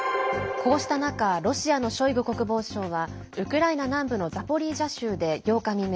こうした中ロシアのショイグ国防相はウクライナ南部のザポリージャ州で、８日未明